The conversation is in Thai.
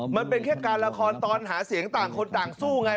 มันเป็นแค่การละครตอนหาเสียงต่างคนต่างสู้ไง